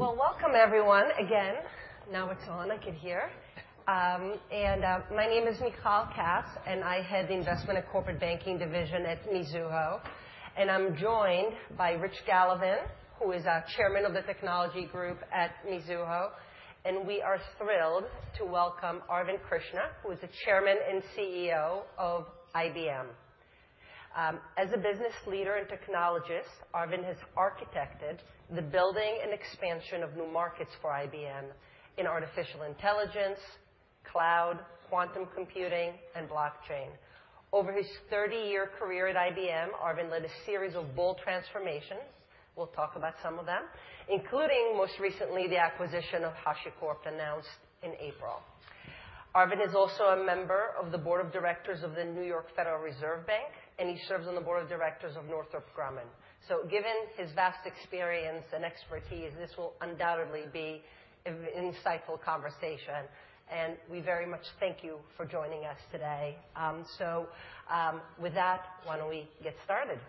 Well, welcome, everyone, again. Now it's on, I can hear. My name is Michal Katz, and I head the Investment of Corporate Banking division at Mizuho. I am joined by Rich Gallivan, who is our Chairman of the technology group at Mizuho. We are thrilled to welcome Arvind Krishna, who is the Chairman and CEO of IBM. As a business leader and technologist, Arvind has architected the building and expansion of new markets for IBM in artificial intelligence, cloud, quantum computing, and blockchain. Over his 30-year career at IBM, Arvind led a series of bold transformations, we'll talk about some of them, including, most recently, the acquisition of HashiCorp announced in April. Arvind is also a member of the board of directors of the Federal Reserve Bank of New York, and he serves on the board of directors of Northrop Grumman. Given his vast experience and expertise, this will undoubtedly be an insightful conversation, and we very much thank you for joining us today. With that, why don't we get started?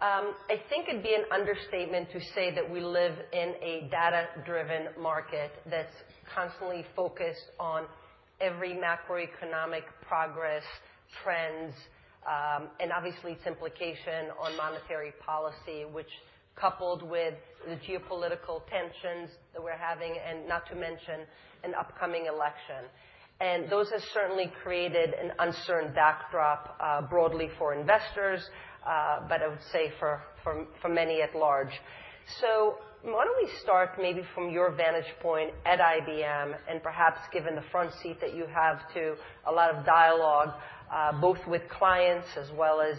I think it'd be an understatement to say that we live in a data-driven market that's constantly focused on every macroeconomic progress, trends, and obviously its implication on monetary policy, which coupled with the geopolitical tensions that we're having, and not to mention an upcoming election. Those have certainly created an uncertain backdrop broadly for investors, but I would say for many at large. Why don't we start maybe from your vantage point at IBM and perhaps given the front seat that you have to a lot of dialogue, both with clients as well as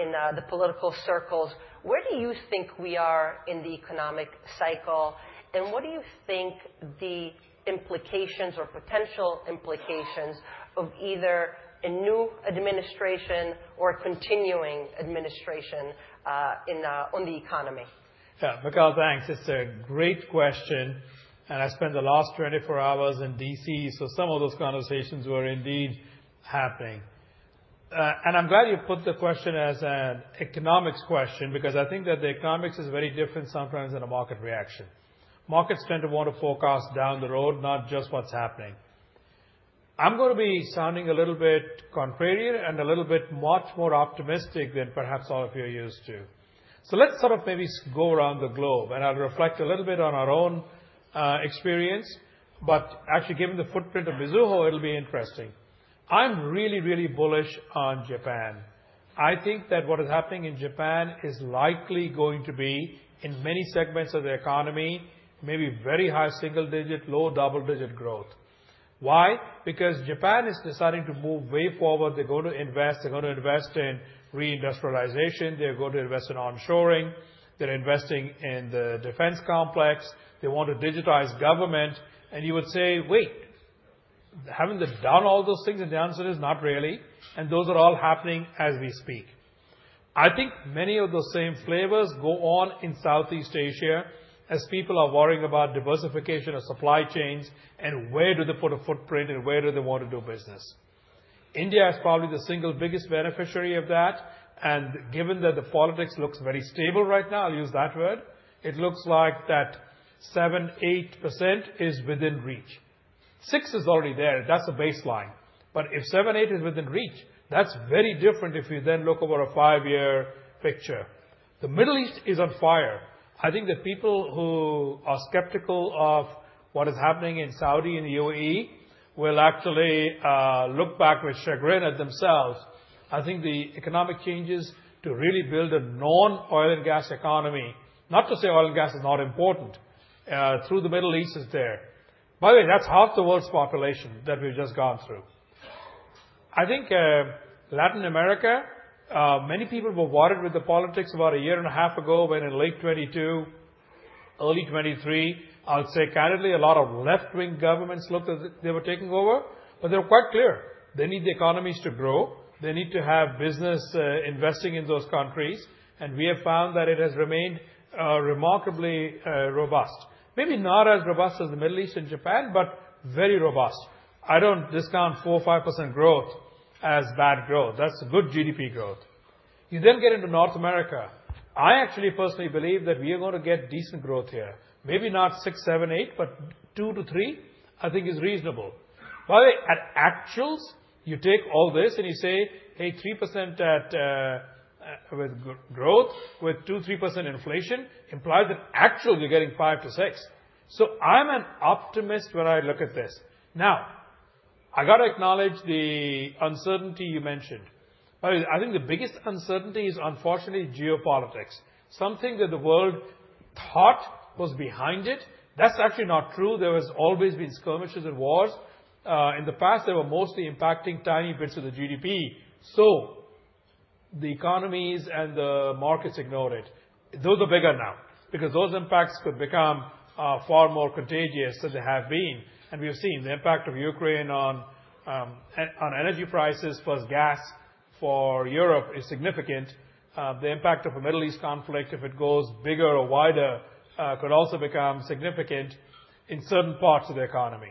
in the political circles, where do you think we are in the economic cycle? What do you think the implications or potential implications of either a new administration or a continuing administration on the economy? Yeah. Michal, thanks. It's a great question, and I spent the last 24 hours in D.C., some of those conversations were indeed happening. I'm glad you put the question as an economics question because I think that the economics is very different sometimes than a market reaction. Markets tend to want to forecast down the road, not just what's happening. I'm going to be sounding a little bit contrarian and a little bit much more optimistic than perhaps all of you are used to. Let's sort of maybe go around the globe, I'll reflect a little bit on our own experience, but actually, given the footprint of Mizuho, it'll be interesting. I'm really, really bullish on Japan. I think that what is happening in Japan is likely going to be, in many segments of the economy, maybe very high single digit, low double-digit growth. Why? Japan is deciding to move way forward. They're going to invest. They're going to invest in re-industrialization. They're going to invest in onshoring. They're investing in the defense complex. They want to digitize government. You would say, "Wait, haven't they done all those things?" The answer is not really, and those are all happening as we speak. I think many of those same flavors go on in Southeast Asia as people are worrying about diversification of supply chains and where do they put a footprint and where do they want to do business. India is probably the single biggest beneficiary of that and given that the politics looks very stable right now, I'll use that word, it looks like that 7, 8% is within reach. 6 is already there. That's a baseline. If 7, 8 is within reach, that's very different if you then look over a five-year picture. The Middle East is on fire. I think the people who are skeptical of what is happening in Saudi and the UAE will actually look back with chagrin at themselves. I think the economic changes to really build a non-oil and gas economy, not to say oil and gas is not important, through the Middle East is there. By the way, that's half the world's population that we've just gone through. I think Latin America, many people were worried with the politics about a year and a half ago when in late 2022, early 2023, I would say candidly, a lot of left-wing governments looked as if they were taking over, but they were quite clear. They need the economies to grow. They need to have business investing in those countries and we have found that it has remained remarkably robust. Maybe not as robust as the Middle East and Japan, but very robust. I don't discount 4% or 5% growth as bad growth. That's good GDP growth. You get into North America. I actually personally believe that we are going to get decent growth here. Maybe not 6, 7, 8, but 2 to 3 I think is reasonable. By the way, at actuals, you take all this and you say, "Hey, 3% growth with 2%, 3% inflation implies that actual you're getting 5 to 6." I'm an optimist when I look at this. I got to acknowledge the uncertainty you mentioned. By the way, I think the biggest uncertainty is unfortunately geopolitics. Something that the world thought was behind it. That's actually not true. There has always been skirmishes and wars. In the past, they were mostly impacting tiny bits of the GDP. The economies and the markets ignored it. Those are bigger now because those impacts could become far more contagious than they have been, and we've seen the impact of Ukraine on energy prices plus gas for Europe is significant. The impact of a Middle East conflict, if it goes bigger or wider, could also become significant in certain parts of the economy.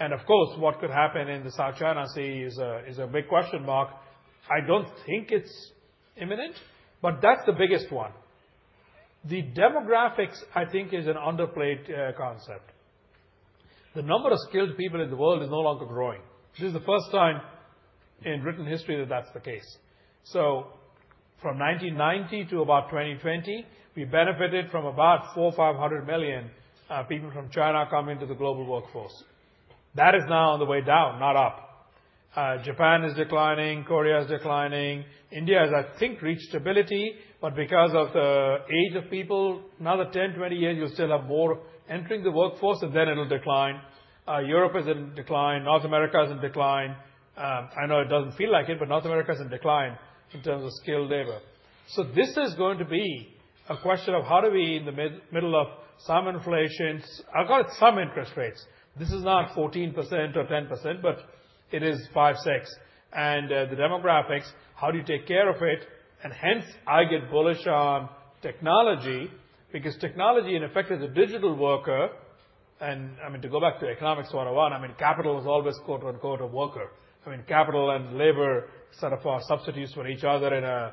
Of course, what could happen in the South China Sea is a big question mark. I don't think it's imminent, but that's the biggest one. The demographics, I think, is an underplayed concept. The number of skilled people in the world is no longer growing, which is the first time in written history that that's the case. From 1990 to about 2020, we benefited from about 400 or 500 million people from China coming to the global workforce. That is now on the way down, not up. Japan is declining. Korea is declining. India has, I think, reached stability, but because of the age of people, another 10, 20 years, you'll still have more entering the workforce, and then it'll decline. Europe is in decline. North America is in decline. I know it doesn't feel like it, but North America is in decline in terms of skilled labor. This is going to be a question of how do we, in the middle of some inflation, I've got some interest rates. This is not 14% or 10%, but it is 5%, 6%. The demographics, how do you take care of it? Hence I get bullish on technology because technology, in effect, is a digital worker. To go back to Economics 101, capital is always "a worker." Capital and labor are substitutes for each other in a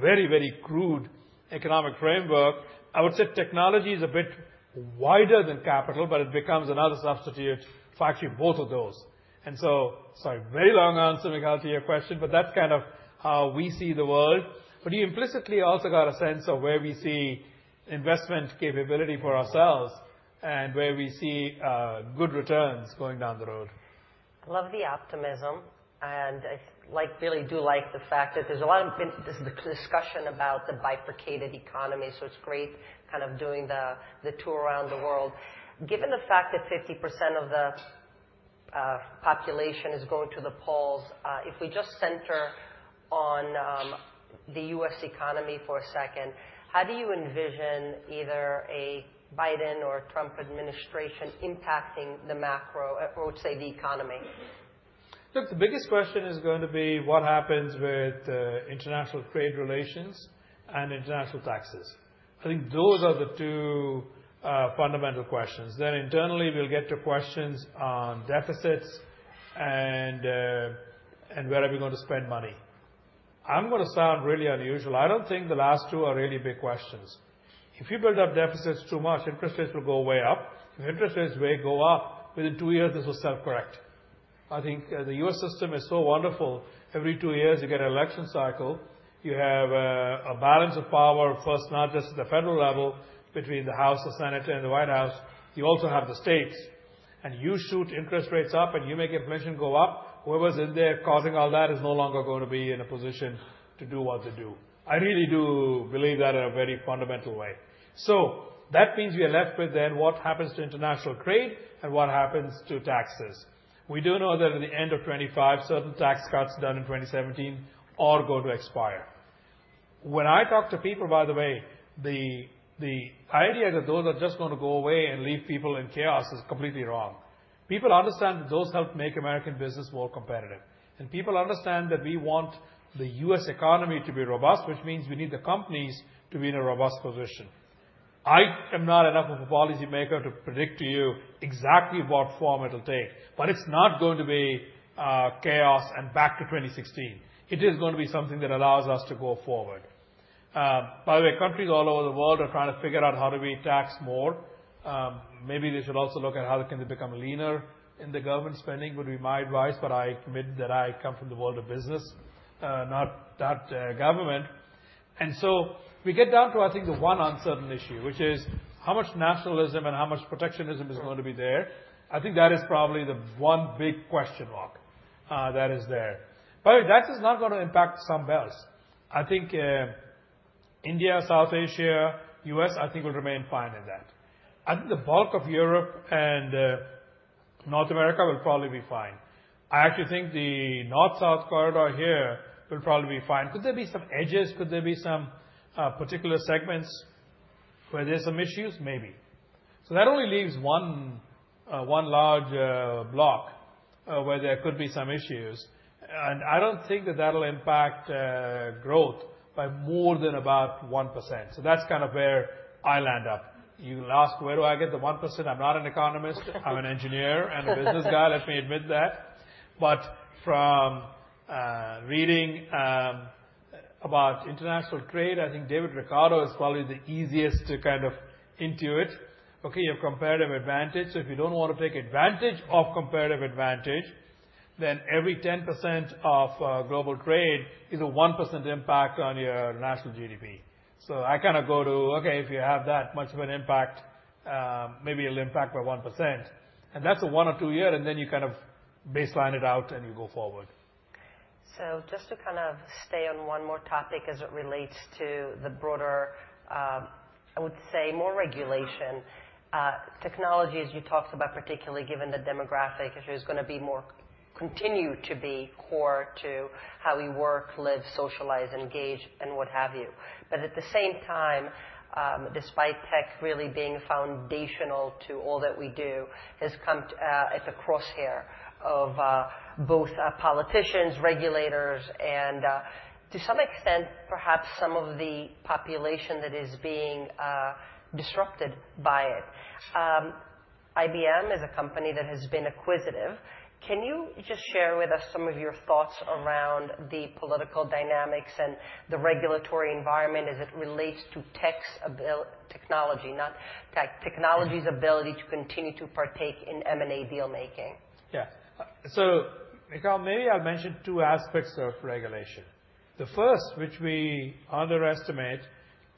very, very crude economic framework. I would say technology is a bit wider than capital, but it becomes another substitute for actually both of those. Sorry, very long answer, Michal, to your question, but that's kind of how we see the world. You implicitly also got a sense of where we see investment capability for ourselves and where we see good returns going down the road. Love the optimism. I really do like the fact that there's the discussion about the bifurcated economy. It's great kind of doing the tour around the world. Given the fact that 50% of the population is going to the polls, if we just center on the U.S. economy for a second, how do you envision either a Biden or a Trump administration impacting the macro or, say, the economy? Look, the biggest question is going to be what happens with international trade relations and international taxes. I think those are the two fundamental questions. Internally, we'll get to questions on deficits and where are we going to spend money. I'm going to sound really unusual. I don't think the last two are really big questions. If you build up deficits too much, interest rates will go way up. If interest rates go up, within two years, this will self-correct. I think the U.S. system is so wonderful. Every two years, you get an election cycle. You have a balance of power, first, not just at the federal level between the House, the Senate, and the White House. You also have the states. You shoot interest rates up, and you make inflation go up. Whoever's in there causing all that is no longer going to be in a position to do what they do. I really do believe that in a very fundamental way. That means we are left with then what happens to international trade and what happens to taxes. We do know that at the end of 2025, certain tax cuts done in 2017 all go to expire. When I talk to people, by the way, the idea that those are just going to go away and leave people in chaos is completely wrong. People understand that those help make American business more competitive, and people understand that we want the U.S. economy to be robust, which means we need the companies to be in a robust position. I am not enough of a policymaker to predict to you exactly what form it'll take, but it's not going to be chaos and back to 2016. It is going to be something that allows us to go forward. By the way, countries all over the world are trying to figure out how do we tax more. Maybe they should also look at how they can become leaner in the government spending, would be my advice, but I admit that I come from the world of business, not government. We get down to, I think, the one uncertain issue, which is how much nationalism and how much protectionism is going to be there. I think that is probably the one big question mark that is there. By the way, that is not going to impact some bells. I think India, South Asia, U.S., I think, will remain fine in that. I think the bulk of Europe and North America will probably be fine. I actually think the north-south corridor here will probably be fine. Could there be some edges? Could there be some particular segments where there's some issues? Maybe. That only leaves one large block where there could be some issues. I don't think that that'll impact growth by more than about 1%. That's kind of where I land up. You asked where do I get the 1%? I'm not an economist. I'm an engineer and a business guy. Let me admit that. But from reading about international trade, I think David Ricardo is probably the easiest to kind of intuit. Okay, you have comparative advantage, if you don't want to take advantage of comparative advantage, every 10% of global trade is a 1% impact on your national GDP. I kind of go to, okay, if you have that much of an impact, maybe it'll impact by 1%. That's a one or two year, and then you kind of baseline it out, and you go forward. Just to kind of stay on one more topic as it relates to the broader, I would say, more regulation. Technology, as you talked about, particularly given the demographic issue, is going to continue to be core to how we work, live, socialize, engage, and what have you. At the same time, despite tech really being foundational to all that we do, has come at the crosshair of both politicians, regulators, and to some extent, perhaps some of the population that is being disrupted by it. IBM is a company that has been acquisitive. Can you just share with us some of your thoughts around the political dynamics and the regulatory environment as it relates to technology, not technology's ability to continue to partake in M&A deal-making. Yeah. Maybe I'll mention two aspects of regulation. The first, which we underestimate,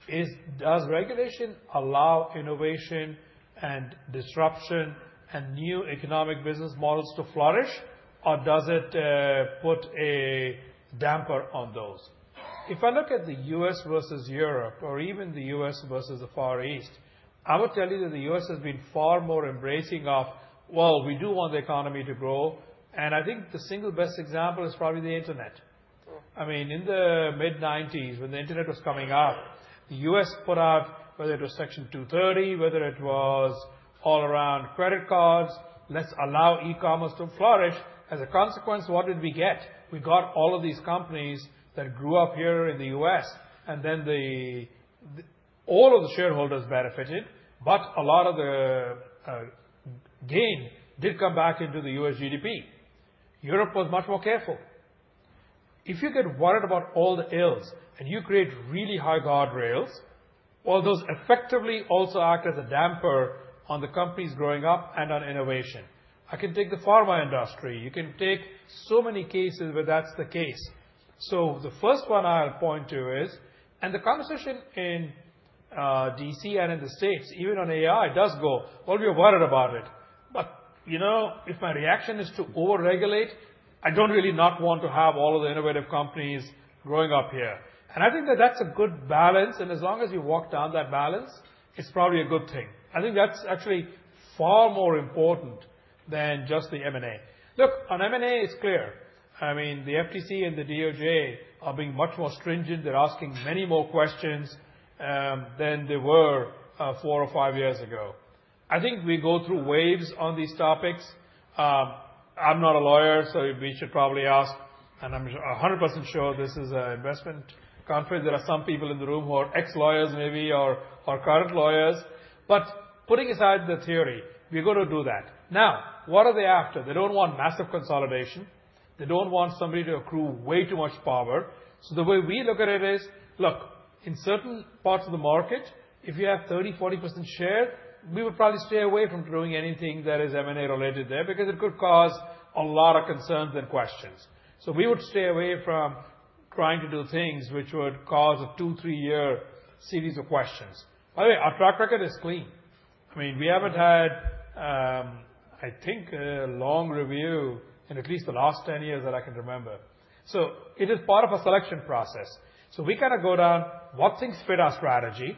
is does regulation allow innovation and disruption and new economic business models to flourish, or does it put a damper on those? If I look at the U.S. versus Europe or even the U.S. versus the Far East, I would tell you that the U.S. has been far more embracing of, "Well, we do want the economy to grow." I think the single best example is probably the internet. Sure. In the mid-1990s, when the internet was coming up, the U.S. put out, whether it was Section 230, whether it was all around credit cards, let's allow e-commerce to flourish. As a consequence, what did we get? We got all of these companies that grew up here in the U.S., then all of the shareholders benefited, but a lot of the gain did come back into the U.S. GDP. Europe was much more careful. If you get worried about all the ills and you create really high guardrails, well, those effectively also act as a damper on the companies growing up and on innovation. I can take the pharma industry. You can take so many cases where that's the case. The first one I'll point to is, the conversation in D.C. and in the States, even on AI, does go, "Well, we are worried about it." But if my reaction is to over-regulate, I don't really not want to have all of the innovative companies growing up here. I think that that's a good balance, and as long as you walk down that balance, it's probably a good thing. I think that's actually far more important than just the M&A. Look, on M&A, it's clear. The FTC and the DOJ are being much more stringent. They're asking many more questions than they were four or five years ago. I think we go through waves on these topics. I'm not a lawyer, so we should probably ask, and I'm 100% sure this is an investment conference. Putting aside the theory, we're going to do that. What are they after? They don't want massive consolidation. They don't want somebody to accrue way too much power. The way we look at it is, look, in certain parts of the market, if you have 30, 40% share, we would probably stay away from doing anything that is M&A related there because it could cause a lot of concerns and questions. We would stay away from trying to do things which would cause a two, three-year series of questions. By the way, our track record is clean. We haven't had, I think, a long review in at least the last 10 years that I can remember. It is part of a selection process. We kind of go down what things fit our strategy.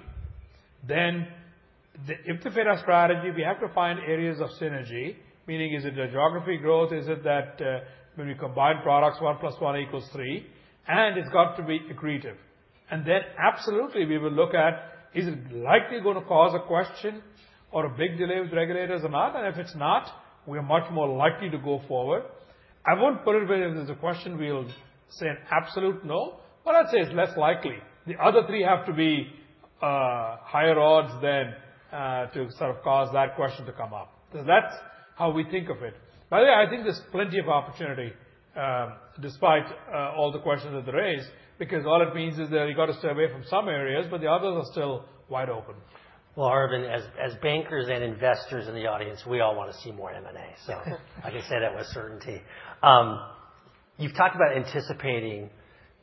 If they fit our strategy, we have to find areas of synergy, meaning is it the geography growth? Is it that when we combine products, one plus one equals three? It's got to be accretive. Absolutely, we will look at is it likely going to cause a question or a big delay with regulators or not? If it's not, we are much more likely to go forward. I won't put it where there's a question, we'll say an absolute no, but I'd say it's less likely. The other three have to be higher odds than to sort of cause that question to come up. That's how we think of it. By the way, I think there's plenty of opportunity, despite all the questions that they raise, all it means is that you got to stay away from some areas, but the others are still wide open. Well, Arvind, as bankers and investors in the audience, we all want to see more M&A. I can say that with certainty. You've talked about anticipating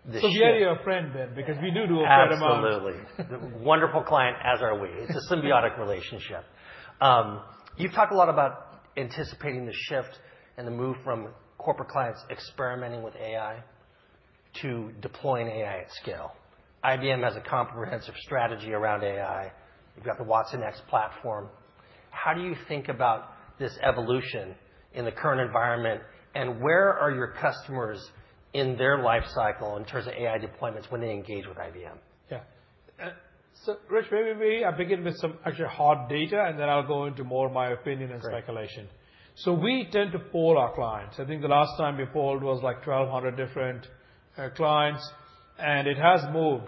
the shift. We are your friend then, because we do a fair amount. Absolutely. Wonderful client, as are we. It's a symbiotic relationship. You've talked a lot about anticipating the shift and the move from corporate clients experimenting with AI to deploying AI at scale. IBM has a comprehensive strategy around AI. You've got the watsonx platform. How do you think about this evolution in the current environment, and where are your customers in their life cycle in terms of AI deployments when they engage with IBM? Yeah. Rich, maybe I begin with some actual hard data, and then I'll go into more of my opinion and speculation. Great. We tend to poll our clients. I think the last time we polled was like 1,200 different clients. It has moved.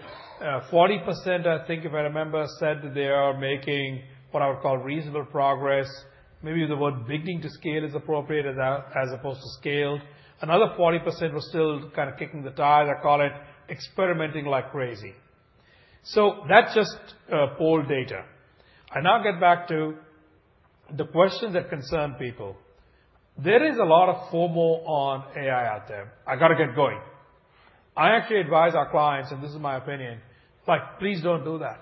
40%, I think if I remember, said that they are making what I would call reasonable progress. Maybe the word beginning to scale is appropriate as opposed to scale. Another 40% were still kind of kicking the tires. I call it experimenting like crazy. That's just poll data. I now get back to the questions that concern people. There is a lot of FOMO on AI out there. I got to get going. I actually advise our clients, and this is my opinion, it's like, please don't do that.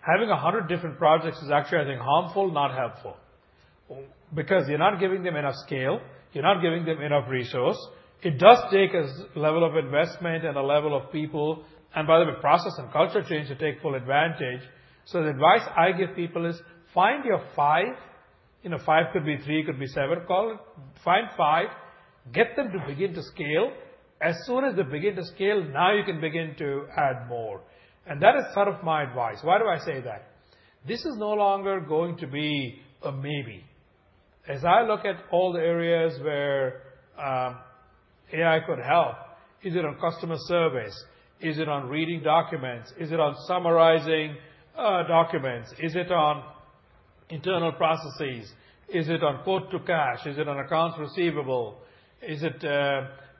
Having 100 different projects is actually, I think, harmful, not helpful, because you're not giving them enough scale. You're not giving them enough resource. It does take a level of investment and a level of people, and by the way, process and culture change to take full advantage. The advice I give people is find your five. Five could be three, could be seven. Call it find five, get them to begin to scale. As soon as they begin to scale, now you can begin to add more. That is sort of my advice. Why do I say that? This is no longer going to be a maybe. As I look at all the areas where AI could help, is it on customer service? Is it on reading documents? Is it on summarizing documents? Is it on internal processes. Is it on quote to cash? Is it on accounts receivable? Is it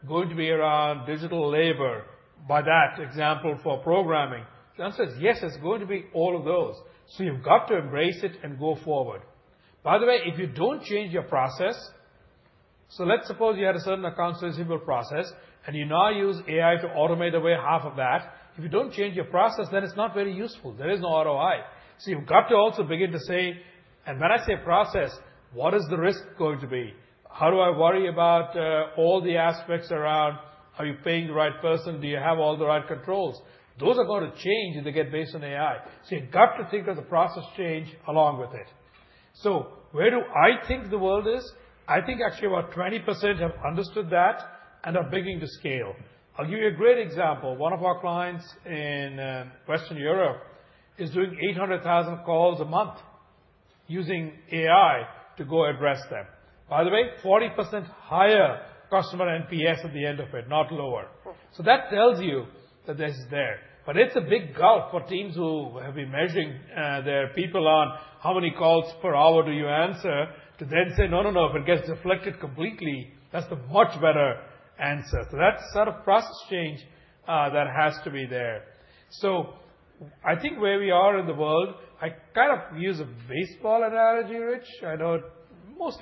going to be around digital labor by that example for programming? The answer is yes, it's going to be all of those. You've got to embrace it and go forward. By the way, if you don't change your process, so let's suppose you had a certain accounts receivable process and you now use AI to automate away half of that, if you don't change your process, then it's not very useful. There is no ROI. You've got to also begin to say, and when I say process, what is the risk going to be? How do I worry about all the aspects around, are you paying the right person? Do you have all the right controls? Those are going to change as they get based on AI. You've got to think of the process change along with it. Where do I think the world is? I think actually about 20% have understood that and are beginning to scale. I'll give you a great example. One of our clients in Western Europe is doing 800,000 calls a month using AI to go address them. By the way, 40% higher customer NPS at the end of it, not lower. That tells you that this is there. It's a big gulf for teams who have been measuring their people on how many calls per hour do you answer, to then say, "No, if it gets deflected completely, that's the much better answer." That's sort of process change that has to be there. I think where we are in the world, I kind of use a baseball analogy, Rich. AI is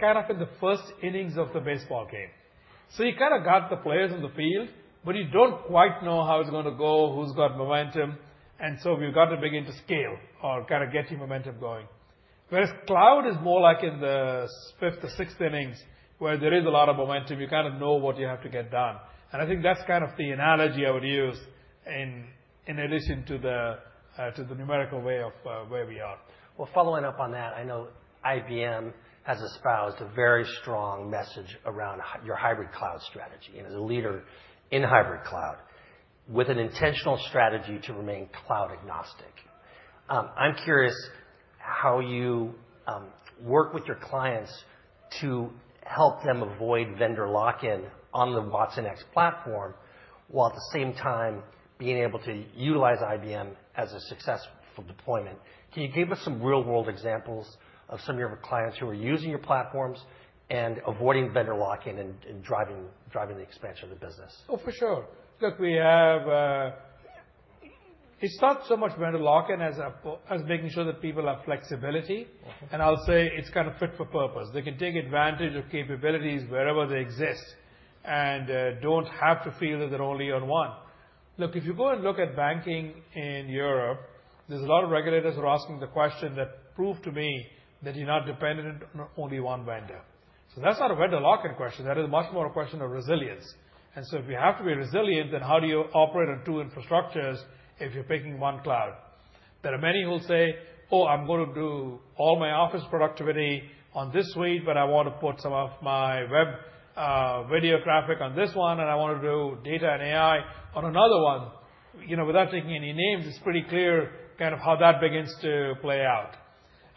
kind of in the first innings of the baseball game. You kind of got the players in the field, but you don't quite know how it's going to go, who's got momentum, we've got to begin to scale or kind of get your momentum going. Whereas cloud is more like in the fifth or sixth innings, where there is a lot of momentum. You kind of know what you have to get done. I think that's kind of the analogy I would use in addition to the numerical way of where we are. Following up on that, I know IBM has espoused a very strong message around your hybrid cloud strategy, and as a leader in hybrid cloud with an intentional strategy to remain cloud agnostic. I'm curious how you work with your clients to help them avoid vendor lock-in on the watsonx platform, while at the same time being able to utilize IBM as a successful deployment. Can you give us some real-world examples of some of your clients who are using your platforms and avoiding vendor lock-in and driving the expansion of the business? For sure. It's not so much vendor lock-in as making sure that people have flexibility. I'll say it's kind of fit for purpose. They can take advantage of capabilities wherever they exist, and don't have to feel that they're only on one. If you go and look at banking in Europe, there's a lot of regulators who are asking the question that, "Prove to me that you're not dependent on only one vendor." That's not a vendor lock-in question. That is much more a question of resilience. If you have to be resilient, then how do you operate on two infrastructures if you're picking one cloud? There are many who will say, "Oh, I'm going to do all my office productivity on this suite, but I want to put some of my web video traffic on this one, and I want to do data and AI on another one." Without taking any names, it's pretty clear kind of how that begins to play out.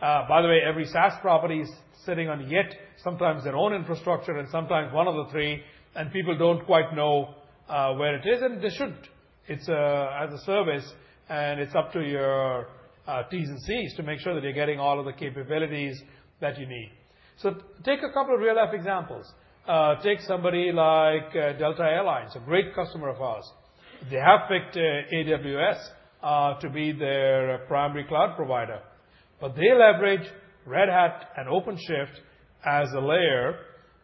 Every SaaS property is sitting on yet sometimes their own infrastructure and sometimes one of the 3, and people don't quite know where it is, and they should. It's as a service, it's up to your T's and C's to make sure that you're getting all of the capabilities that you need. Take a couple of real-life examples. Take somebody like Delta Air Lines, a great customer of ours. They have picked AWS to be their primary cloud provider. They leverage Red Hat and OpenShift as a layer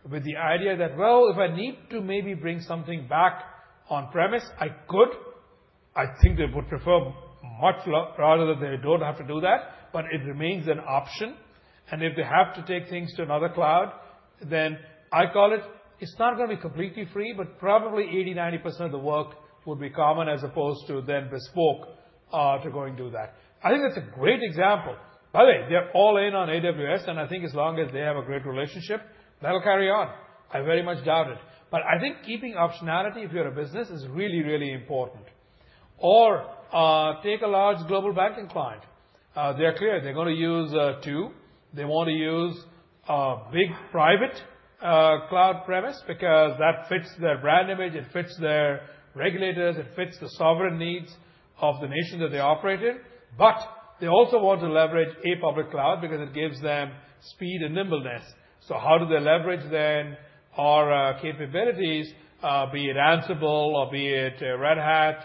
with the idea that, well, if I need to maybe bring something back on premise, I could. I think they would prefer much rather that they don't have to do that, but it remains an option. If they have to take things to another cloud, then I call it's not going to be completely free, but probably 80%-90% of the work would be common as opposed to then bespoke to go and do that. I think that's a great example. They're all in on AWS, and I think as long as they have a great relationship, that'll carry on. I very much doubt it. I think keeping optionality if you're a business is really, really important. Take a large global banking client. They're clear they're going to use 2. They want to use a big private cloud premise because that fits their brand image, it fits their regulators, it fits the sovereign needs of the nations that they operate in. They also want to leverage a public cloud because it gives them speed and nimbleness. How do they leverage then our capabilities, be it Ansible or be it Red Hat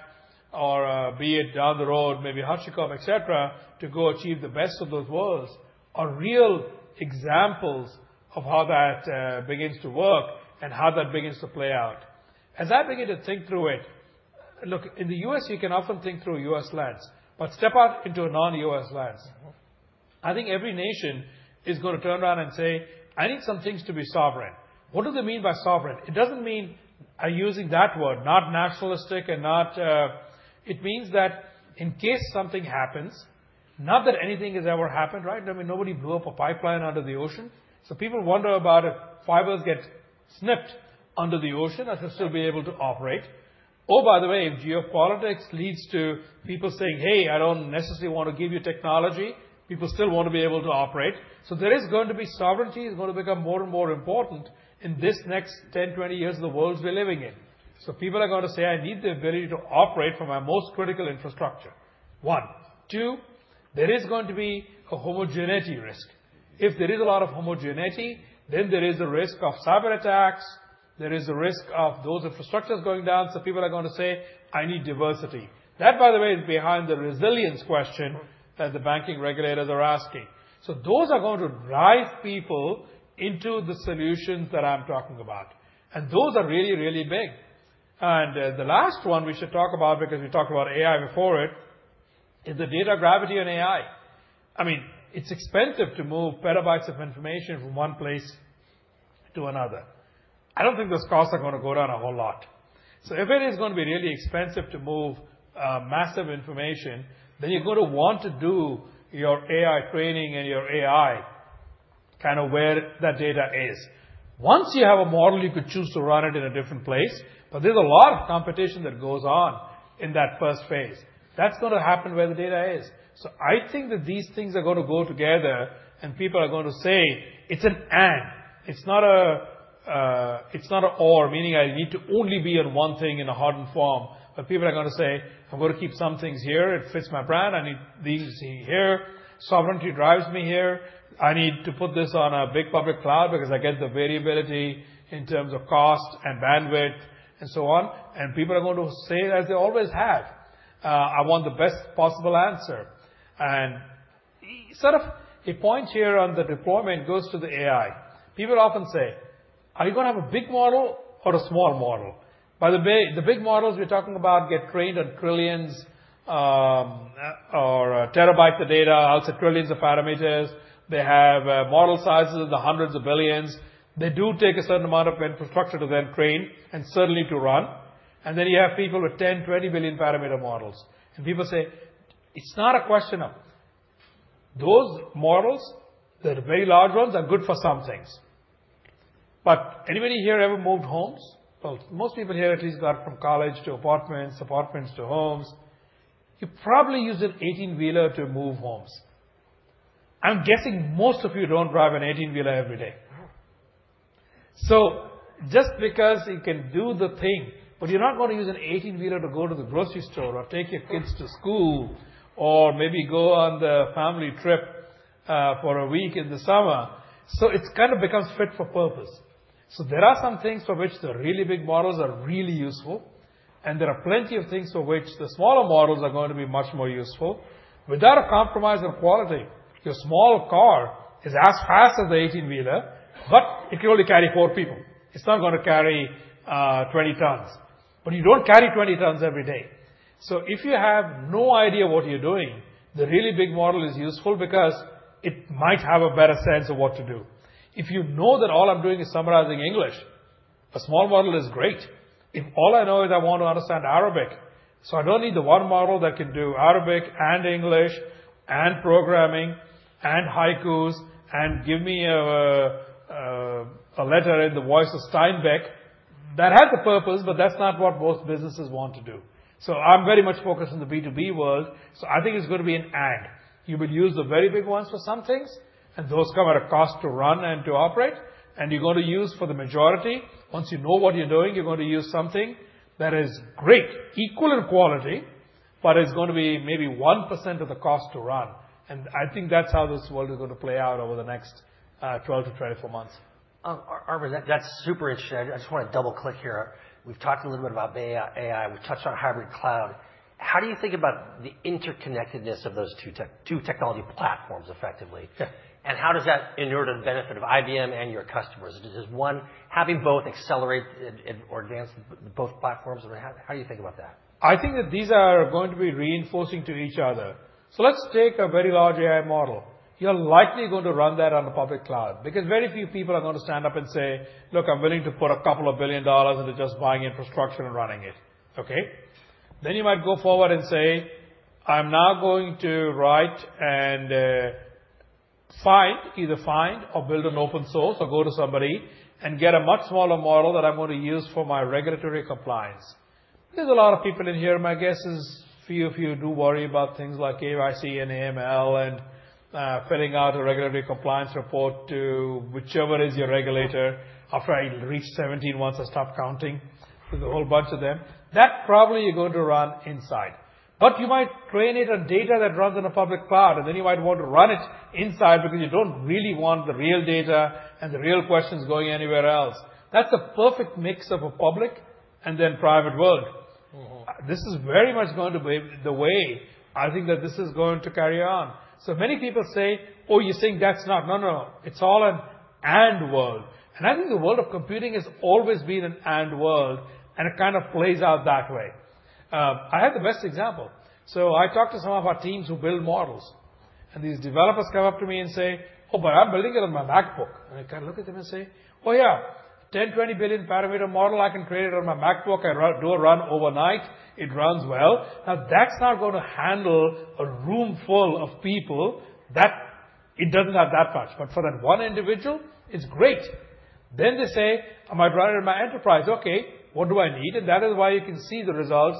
or be it down the road, maybe HashiCorp, et cetera, to go achieve the best of both worlds are real examples of how that begins to work and how that begins to play out. In the U.S., you can often think through U.S. lens, but step out into a non-U.S. lens. I think every nation is going to turn around and say, "I need some things to be sovereign." What do they mean by sovereign? It doesn't mean by using that word, not nationalistic and it means that in case something happens, not that anything has ever happened, right? Nobody blew up a pipeline under the ocean. People wonder about if fibers get snipped under the ocean, I can still be able to operate. If geopolitics leads to people saying, "Hey, I don't necessarily want to give you technology," people still want to be able to operate. There is going to be sovereignty is going to become more and more important in this next 10-20 years of the worlds we're living in. People are going to say, "I need the ability to operate for my most critical infrastructure," 1. Two. There is going to be a homogeneity risk. If there is a lot of homogeneity, then there is a risk of cyber attacks, there is a risk of those infrastructures going down. People are going to say, "I need diversity." That, by the way, is behind the resilience question that the banking regulators are asking. Those are going to drive people into the solutions that I'm talking about. Those are really, really big. The last one we should talk about, because we talked about AI before it, is the data gravity in AI. It's expensive to move petabytes of information from one place to another. I don't think those costs are going to go down a whole lot. If it is going to be really expensive to move massive information, then you're going to want to do your AI training and your AI, kind of where that data is. Once you have a model, you could choose to run it in a different place, but there's a lot of competition that goes on in that first phase. That's going to happen where the data is. I think that these things are going to go together and people are going to say it's an and. It's not an or, meaning I need to only be in one thing in a hardened form. People are going to say, "I'm going to keep some things here. It fits my brand. I need these here. Sovereignty drives me here. I need to put this on a big public cloud because I get the variability in terms of cost and bandwidth," and so on. People are going to say as they always have, "I want the best possible answer." Sort of a point here on the deployment goes to the AI. People often say, "Are you going to have a big model or a small model?" By the way, the big models we're talking about get trained on trillions of terabytes of data. I'll say trillions of parameters. They have model sizes in the hundreds of billions. They do take a certain amount of infrastructure to then train and certainly to run. Then you have people with 10, 20 billion parameter models. People say, it's not a question of Those models, the very large ones, are good for some things. Anybody here ever moved homes? Well, most people here at least got from college to apartments to homes. You probably used an 18-wheeler to move homes. I'm guessing most of you don't drive an 18-wheeler every day. No. Just because you can do the thing, but you're not going to use an 18-wheeler to go to the grocery store or take your kids to school or maybe go on the family trip for a week in the summer. It kind of becomes fit for purpose. There are some things for which the really big models are really useful, and there are plenty of things for which the smaller models are going to be much more useful without a compromise on quality. Your smaller car is as fast as the 18-wheeler, but it can only carry four people. It's not going to carry 20 tons. You don't carry 20 tons every day. If you have no idea what you're doing, the really big model is useful because it might have a better sense of what to do. If you know that all I'm doing is summarizing English, a small model is great. If all I know is I want to understand Arabic, so I don't need the one model that can do Arabic and English and programming and haikus and give me a letter in the voice of John. That has a purpose, but that's not what most businesses want to do. I'm very much focused on the B2B world, so I think it's going to be an and. You would use the very big ones for some things, and those come at a cost to run and to operate. You're going to use, for the majority, once you know what you're doing, you're going to use something that is great, equal in quality, but is going to be maybe 1% of the cost to run. I think that's how this world is going to play out over the next 12 to 24 months. Arvind, that's super interesting. I just want to double-click here. We've talked a little bit about AI. We touched on hybrid cloud. How do you think about the interconnectedness of those two technology platforms effectively? Yeah. How does that inure to the benefit of IBM and your customers? Is one, having both accelerate or advance both platforms? How do you think about that? I think that these are going to be reinforcing to each other. Let's take a very large AI model. You're likely going to run that on the public cloud because very few people are going to stand up and say, "Look, I'm willing to put a couple of billion dollars into just buying infrastructure and running it." Okay? You might go forward and say, "I'm now going to write and either find or build an open source or go to somebody and get a much smaller model that I'm going to use for my regulatory compliance." There's a lot of people in here, my guess is few of you do worry about things like KYC and AML and filling out a regulatory compliance report to whichever is your regulator. After I reached 17 once, I stopped counting. There's a whole bunch of them. That probably you're going to run inside. You might train it on data that runs on a public cloud, and then you might want to run it inside because you don't really want the real data and the real questions going anywhere else. That's a perfect mix of a public and then private world. This is very much going to be the way I think that this is going to carry on. Many people say, "Oh, you're saying that's not" No, no. It's all an and world. I think the world of computing has always been an and world, and it kind of plays out that way. I have the best example. I talk to some of our teams who build models, and these developers come up to me and say, "Oh, but I'm building it on my MacBook." I kind of look at them and say, "Oh, yeah, 10, 20 billion parameter model, I can create it on my MacBook and do a run overnight. It runs well." That's not going to handle a room full of people. It doesn't have that much. For that one individual, it's great. They say, "I might run it in my enterprise." Okay, what do I need? That is why you can see the results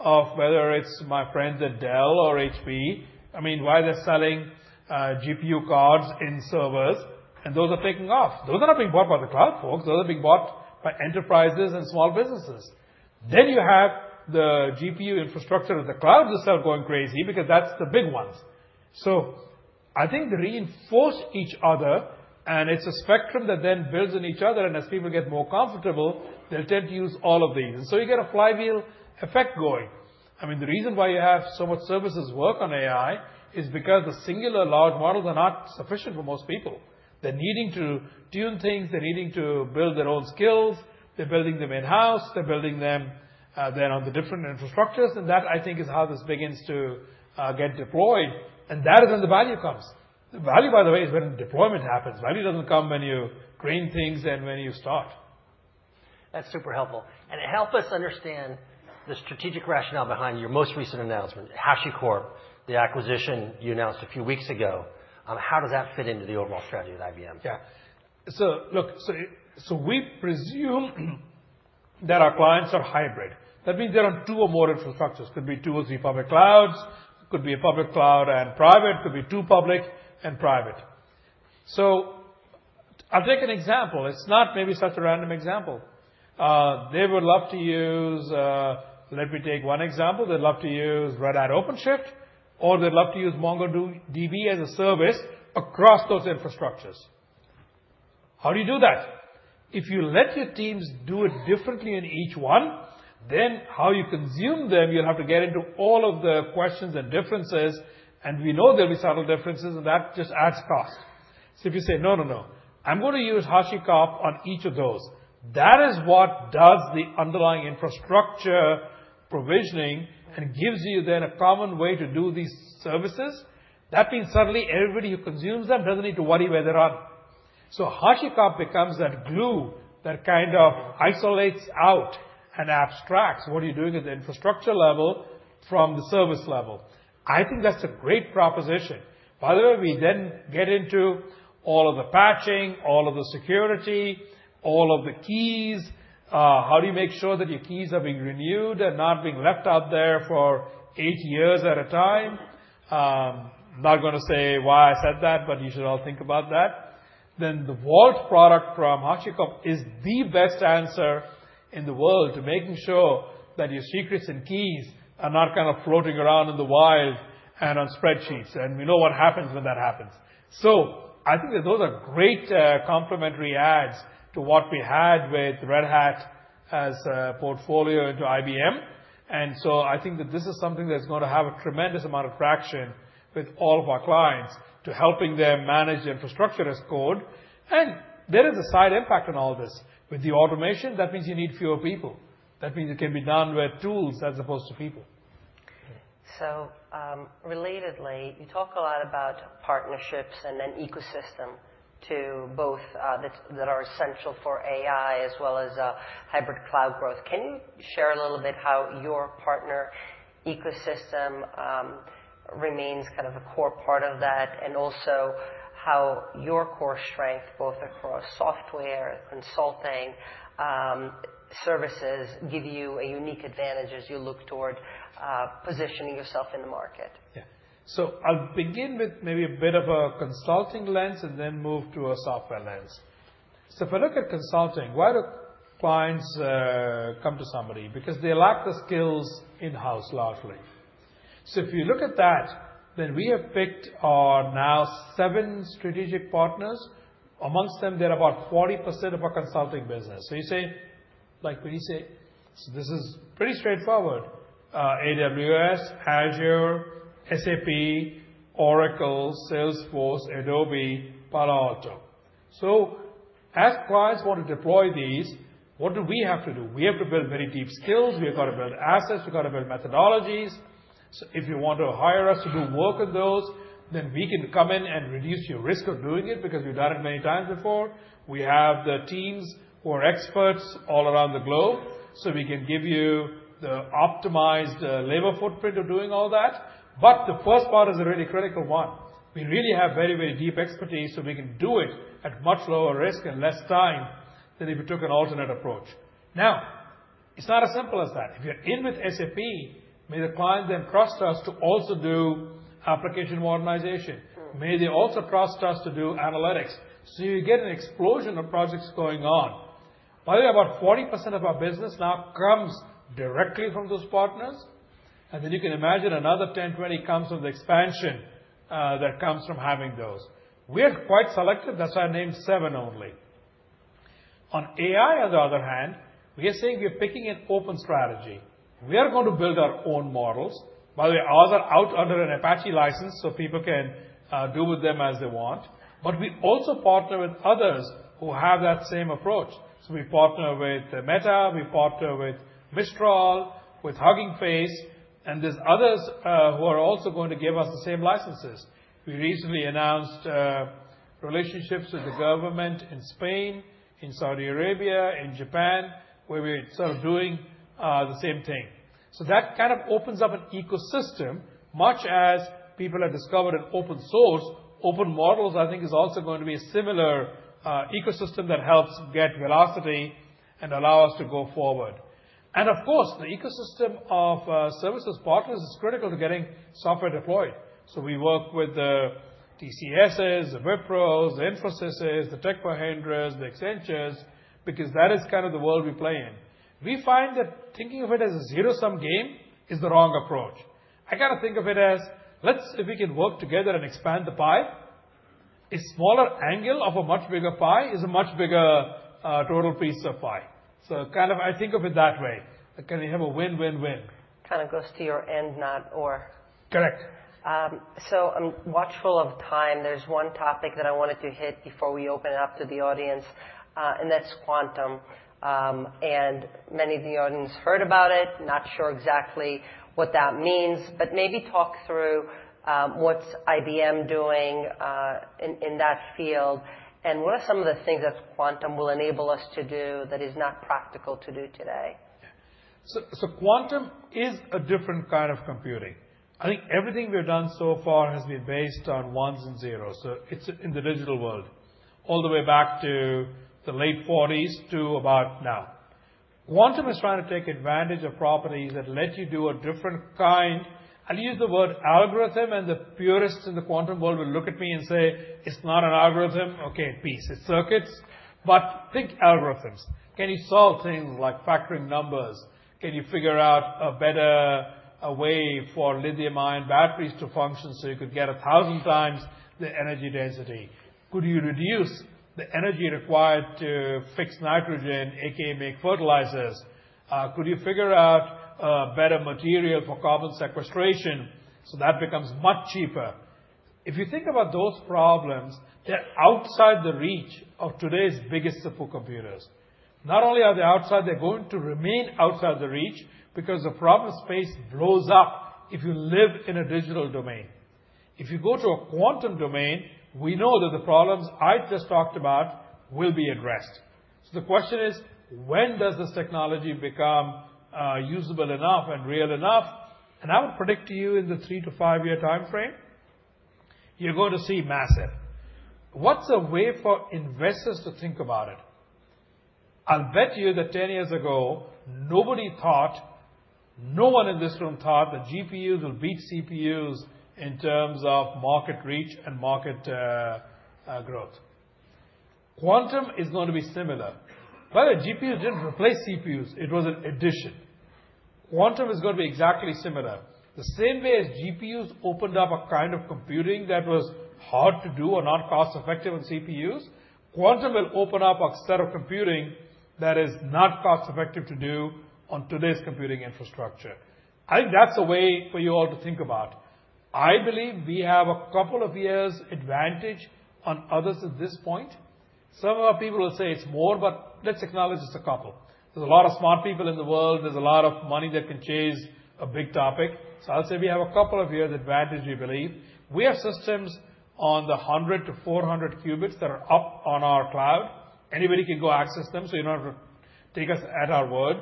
of whether it's my friends at Dell or HP. Why they're selling GPU cards in servers, and those are taking off. Those are not being bought by the cloud folks. Those are being bought by enterprises and small businesses. You have the GPU infrastructure of the clouds itself going crazy because that's the big ones. I think they reinforce each other, and it's a spectrum that then builds on each other. As people get more comfortable, they'll tend to use all of these. You get a flywheel effect going. The reason why you have so much services work on AI is because the singular large models are not sufficient for most people. They're needing to tune things. They're needing to build their own skills. They're building them in-house. They're building them then on the different infrastructures. That, I think, is how this begins to get deployed. That is when the value comes. The value, by the way, is when deployment happens. Value doesn't come when you train things and when you start. That's super helpful. Help us understand the strategic rationale behind your most recent announcement, HashiCorp, the acquisition you announced a few weeks ago. How does that fit into the overall strategy at IBM? Yeah. We presume that our clients are hybrid. That means there are two or more infrastructures. Could be two or three public clouds, could be a public cloud and private, could be two public and private. I'll take an example. It's not maybe such a random example. They would love to use, let me take one example. They'd love to use Red Hat OpenShift, or they'd love to use MongoDB as a service across those infrastructures. How do you do that? If you let your teams do it differently in each one, then how you consume them, you'll have to get into all of the questions and differences, and we know there'll be subtle differences, and that just adds cost. If you say, "No, no. I'm going to use HashiCorp on each of those," that is what does the underlying infrastructure provisioning and gives you then a common way to do these services. Means suddenly everybody who consumes them doesn't need to worry where they are. HashiCorp becomes that glue that kind of isolates out and abstracts what you're doing at the infrastructure level from the service level. I think that's a great proposition. We then get into all of the patching, all of the security, all of the keys. How do you make sure that your keys are being renewed and not being left out there for eight years at a time? I'm not going to say why I said that, you should all think about that. The Vault product from HashiCorp is the best answer in the world to making sure that your secrets and keys are not kind of floating around in the wild and on spreadsheets. We know what happens when that happens. I think that those are great complementary adds to what we had with Red Hat as a portfolio into IBM. I think that this is something that's going to have a tremendous amount of traction with all of our clients to helping them manage infrastructure as code. There is a side impact on all of this. With the automation, that means you need fewer people. That means it can be done with tools as opposed to people. Relatedly, you talk a lot about partnerships and an ecosystem to both, that are essential for AI as well as hybrid cloud growth. Can you share a little bit how your partner ecosystem remains kind of a core part of that, and also how your core strength, both across software and consulting services, give you a unique advantage as you look toward positioning yourself in the market? Yeah. I'll begin with maybe a bit of a consulting lens and then move to a software lens. If I look at consulting, why do clients come to somebody? Because they lack the skills in-house, largely. If you look at that, then we have picked our now seven strategic partners. Amongst them, they're about 40% of our consulting business. You say, like when you say, "This is pretty straightforward." AWS, Azure, SAP, Oracle, Salesforce, Adobe, Palo Alto. As clients want to deploy these, what do we have to do? We have to build very deep skills. We've got to build assets. We've got to build methodologies. If you want to hire us to do work on those, then we can come in and reduce your risk of doing it, because we've done it many times before. We have the teams who are experts all around the globe. We can give you the optimized labor footprint of doing all that. The first part is a really critical one. We really have very, very deep expertise. We can do it at much lower risk and less time than if we took an alternate approach. It's not as simple as that. If you're in with SAP, may the client then trust us to also do application modernization. Sure. May they also trust us to do analytics. You get an explosion of projects going on. By the way, about 40% of our business now comes directly from those partners, and then you can imagine another 10, 20 comes from the expansion that comes from having those. We're quite selective. That's why I named seven only. On AI, on the other hand, we are saying we're picking an open strategy. We are going to build our own models. By the way, ours are out under an Apache license. People can do with them as they want. We also partner with others who have that same approach. We partner with Meta, we partner with Mistral, with Hugging Face, and there's others who are also going to give us the same licenses. We recently announced relationships with the government in Spain, in Saudi Arabia, in Japan, where we're sort of doing the same thing. That kind of opens up an ecosystem, much as people have discovered in open source. Open models, I think, is also going to be a similar ecosystem that helps get velocity and allow us to go forward. Of course, the ecosystem of services partners is critical to getting software deployed. We work with the TCSs, the Wipros, the Infosys, the Tech Mahindras, the Accentures, because that is kind of the world we play in. We find that thinking of it as a zero-sum game is the wrong approach. I kind of think of it as, let's see if we can work together and expand the pie. A smaller angle of a much bigger pie is a much bigger total piece of pie. I think of it that way. Can you have a win-win-win? Kind of goes to your and, not or. Correct. I'm watchful of time. There's one topic that I wanted to hit before we open it up to the audience, and that's quantum. Many of the audience heard about it, not sure exactly what that means. Maybe talk through what's IBM doing in that field, and what are some of the things that quantum will enable us to do that is not practical to do today? Quantum is a different kind of computing. I think everything we've done so far has been based on ones and zeros, it's in the digital world, all the way back to the late '40s to about now. Quantum is trying to take advantage of properties that let you do a different kind I'll use the word algorithm, and the purists in the quantum world will look at me and say, "It's not an algorithm." Okay, peace. It's circuits. Think algorithms. Can you solve things like factoring numbers? Can you figure out a better way for lithium-ion batteries to function so you could get 1,000 times the energy density? Could you reduce the energy required to fix nitrogen, AKA make fertilizers? Could you figure out a better material for carbon sequestration so that becomes much cheaper? If you think about those problems, they're outside the reach of today's biggest supercomputers. Not only are they outside, they're going to remain outside the reach because the problem space blows up if you live in a digital domain. If you go to a quantum domain, we know that the problems I just talked about will be addressed. The question is, when does this technology become usable enough and real enough? I would predict to you in the three to five-year timeframe, you're going to see massive. What's a way for investors to think about it? I'll bet you that 10 years ago, nobody thought, no one in this room thought that GPUs would beat CPUs in terms of market reach and market growth. Quantum is going to be similar. By the way, GPUs didn't replace CPUs, it was an addition. Quantum is going to be exactly similar. The same way as GPUs opened up a kind of computing that was hard to do or not cost-effective on CPUs, quantum will open up a set of computing that is not cost-effective to do on today's computing infrastructure. I think that's a way for you all to think about. I believe we have a couple of years advantage on others at this point. Some people will say it's more, but let's acknowledge it's a couple. There's a lot of smart people in the world. There's a lot of money that can chase a big topic. I'll say we have a couple of years advantage, we believe. We have systems on the 100 to 400 qubits that are up on our cloud. Anybody can go access them, so you don't have to take us at our word.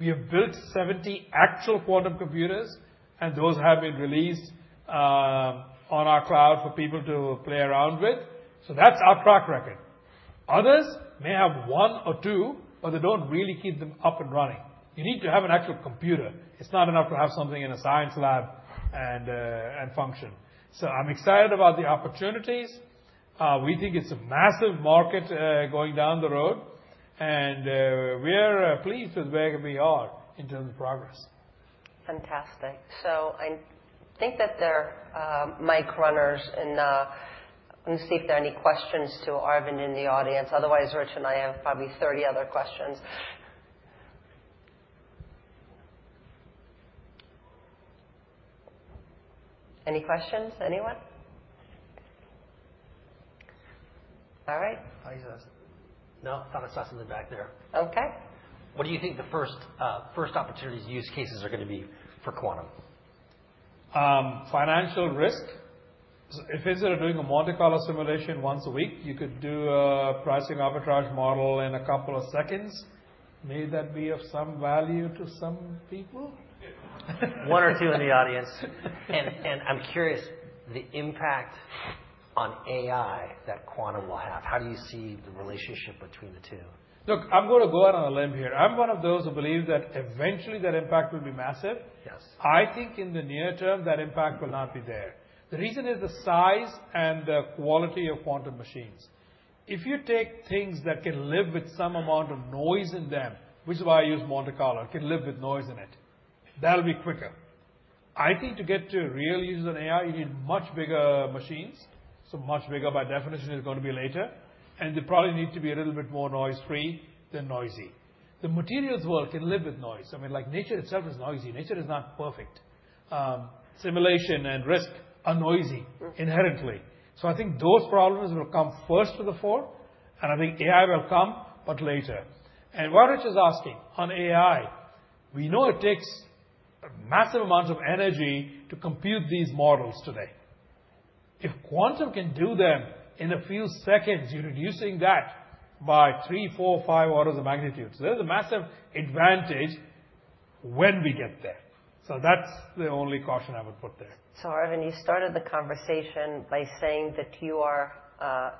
We have built 70 actual quantum computers, and those have been released on our cloud for people to play around with. That's our track record. Others may have one or two, but they don't really keep them up and running. You need to have an actual computer. It's not enough to have something in a science lab and function. I'm excited about the opportunities. We think it's a massive market going down the road, and we're pleased with where we are in terms of progress. Fantastic. I think that there are mic runners and let me see if there are any questions to Arvind in the audience. Otherwise, Rich and I have probably 30 other questions. Any questions, anyone? All right. I see one. No, I thought I saw something back there. Okay. What do you think the first opportunities use cases are going to be for quantum? Financial risk. If instead of doing a Monte Carlo simulation once a week, you could do a pricing arbitrage model in a couple of seconds, may that be of some value to some people? One or two in the audience. I'm curious, the impact on AI that quantum will have. How do you see the relationship between the two? Look, I'm going to go out on a limb here. I'm one of those who believe that eventually that impact will be massive. Yes. I think in the near term, that impact will not be there. The reason is the size and the quality of quantum machines. If you take things that can live with some amount of noise in them, which is why I use Monte Carlo, it can live with noise in it. That'll be quicker. I think to get to real use on AI, you need much bigger machines. Much bigger, by definition, is going to be later, and they probably need to be a little bit more noise-free than noisy. The materials world can live with noise. I mean, like nature itself is noisy. Nature is not perfect. Simulation and risk are noisy inherently. I think those problems will come first to the fore, and I think AI will come, but later. What Rich is asking on AI, we know it takes massive amounts of energy to compute these models today. If quantum can do them in a few seconds, you're reducing that by three, four, five orders of magnitude. There's a massive advantage when we get there. That's the only caution I would put there. Arvind, you started the conversation by saying that you are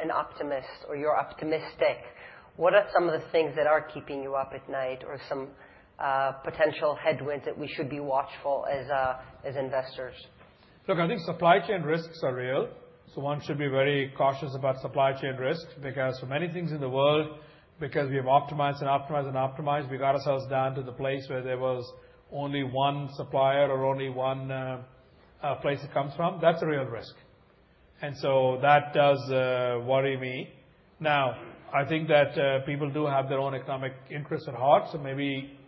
an optimist or you're optimistic. What are some of the things that are keeping you up at night or some potential headwinds that we should be watchful as investors? Look, I think supply chain risks are real, so one should be very cautious about supply chain risk, because for many things in the world, because we have optimized and optimized and optimized, we got ourselves down to the place where there was only one supplier or only one place it comes from. That's a real risk. That does worry me. Now, I think that people do have their own economic interests at heart, so maybe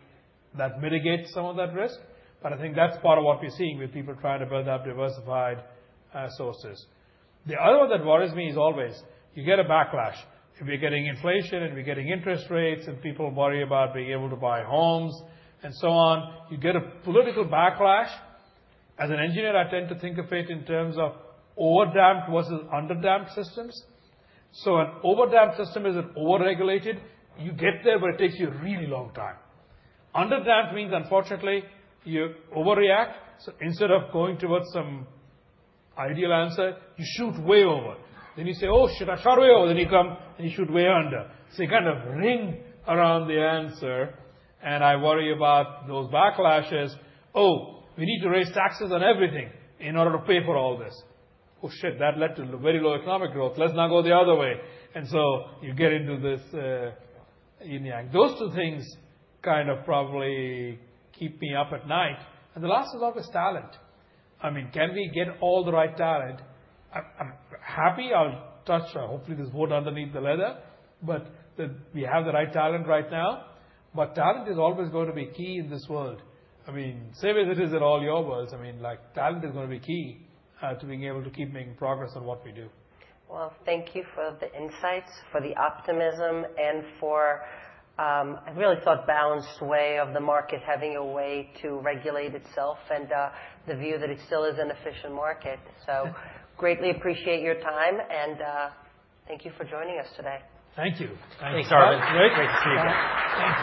that mitigates some of that risk. I think that's part of what we're seeing with people trying to build out diversified sources. The other one that worries me is always you get a backlash. If we're getting inflation and we're getting interest rates and people worry about being able to buy homes and so on, you get a political backlash. As an engineer, I tend to think of it in terms of over-damped versus under-damped systems. An over-damped system is an over-regulated. You get there, but it takes you a really long time. Under-damped means, unfortunately, you overreact. Instead of going towards some ideal answer, you shoot way over. You say, "Oh, shit, I shot way over." You come and you shoot way under. You kind of ring around the answer, and I worry about those backlashes. Oh, we need to raise taxes on everything in order to pay for all this. Oh, shit. That led to very low economic growth. Let's now go the other way. You get into this yin yang. Those two things kind of probably keep me up at night. The last is always talent. Can we get all the right talent? I'm happy. I'll touch hopefully there's wood underneath the leather, but we have the right talent right now. Talent is always going to be key in this world. Same as it is in all your worlds. Talent is going to be key to being able to keep making progress on what we do. Well, thank you for the insights, for the optimism and for, I really thought, balanced way of the market having a way to regulate itself and the view that it still is an efficient market. Greatly appreciate your time and thank you for joining us today. Thank you. Thanks. Great to see you.